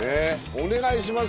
お願いします